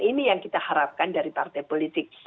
ini yang kita harapkan dari partai politik